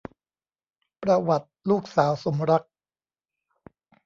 ประวัติลูกสาวสมรักษ์